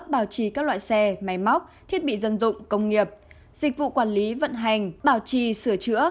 bảo trì các loại xe máy móc thiết bị dân dụng công nghiệp dịch vụ quản lý vận hành bảo trì sửa chữa